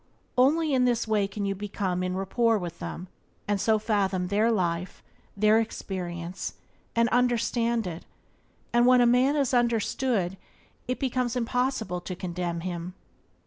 Only in this way can you become en rapport with them, and so fathom their life, their experience, and understand it, and when a Byways to Blessedness by James Allen 30 man is understood it becomes impossible to condemn him.